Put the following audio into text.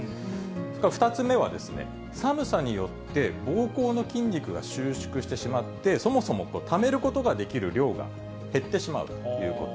それから２つ目は、寒さによって、ぼうこうの筋肉が収縮してしまって、そもそもためることができる量が減ってしまうということ。